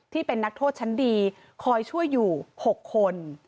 ที่เป็นนักโทษชั้นดีคอยช่วยอยู่๖คน